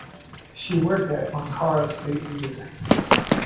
She worked at Ankara State Theatre.